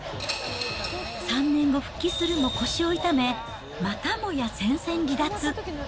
３年後、復帰するも腰を痛め、またもや戦線離脱。